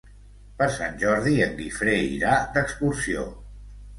Per Sant Jordi en Guifré irà d'excursió.